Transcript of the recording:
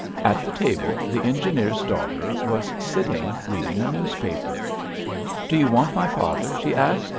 At the table the engineer's daughter was sitting reading a newspaper. "Do you want my father?" she asked.